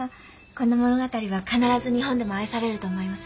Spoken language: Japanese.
この物語は必ず日本でも愛されると思います。